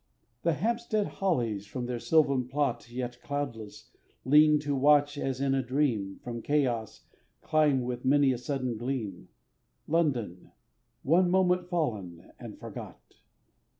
The Hampstead hollies, from their sylvan plot Yet cloudless, lean to watch as in a dream, From chaos climb with many a sudden gleam, London, one moment fallen and forgot.